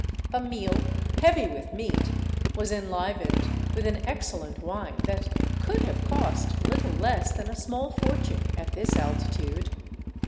A meal heavy with meat was enlivened with an ex cellent wine that could have cost little less than a small fortune at this altitude.